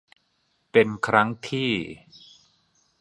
เป็นครั้งที่